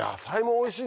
おいしい！